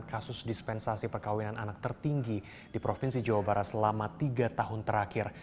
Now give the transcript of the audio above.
kasus dispensasi perkawinan anak tertinggi di provinsi jawa barat selama tiga tahun terakhir